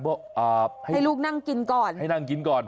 ให้ลูกนั่งกินก่อนให้นั่งกินก่อน